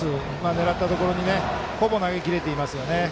狙ったところにほぼ投げ切れていますね。